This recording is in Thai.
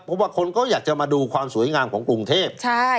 เพราะว่าคนก็อยากจะมาดูความสวยงามของกรุงเทพ